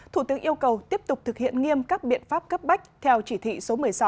thủ tướng yêu cầu tiếp tục thực hiện nghiêm các biện pháp cấp bách theo chỉ thị số một mươi sáu